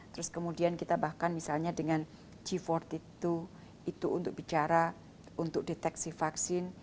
terus kemudian kita bahkan misalnya dengan g empat puluh dua itu untuk bicara untuk deteksi vaksin